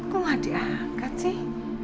kok nggak diangkat sih